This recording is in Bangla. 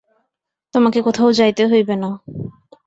তোমাকে কোথাও যাইতে হইবে না।